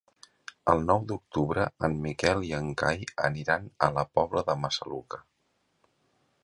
El nou d'octubre en Miquel i en Cai aniran a la Pobla de Massaluca.